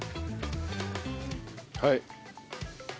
はい。